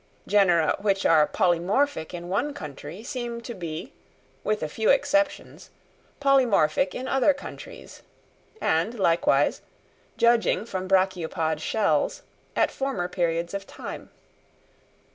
Genera which are polymorphic in one country seem to be, with a few exceptions, polymorphic in other countries, and likewise, judging from Brachiopod shells, at former periods of time.